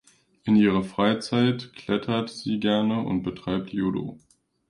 In ihrer Freizeit klettert sie gerne und betreibt Judo.